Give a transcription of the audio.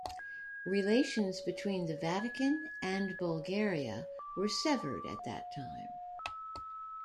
Relations between the Vatican and Bulgaria were severed at that time.